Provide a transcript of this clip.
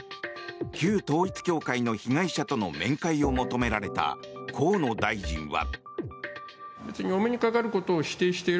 旧統一教会の被害者との面会を求められた河野大臣は。